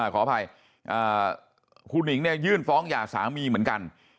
ขออภัยครูหนิงเนี่ยยื่นฟ้องหย่าสามีเหมือนกัน